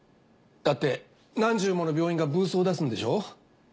だって何十もの病院がブースを出すんでしょ？